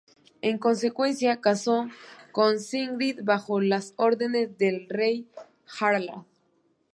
En consecuencia casó con Sigrid bajo las órdenes del rey Harald.